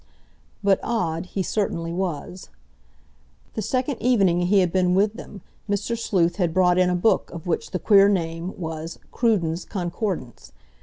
But odd he certainly was. The second evening he had been with them Mr. Sleuth had brought in a book of which the queer name was Cruden's Concordance.